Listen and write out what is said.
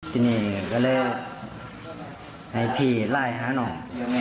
ทีนี้ก็เลยให้พี่ไล่หาหน่อย